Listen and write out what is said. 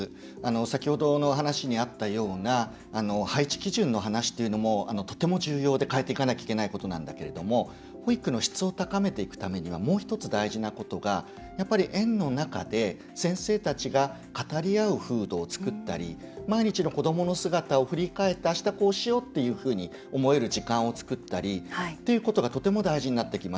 先ほどのお話にあったような配置基準の話っていうのもとても重要で変えていかなきゃいけないことなんだけれど保育の質を高めていくためにはもう１つ、大事なことが園の中で、先生が語り合う風土を作ったり毎日の子どもについてあしたこうしようっていうふうに思える時間を作ったりということがとても大事になってきます。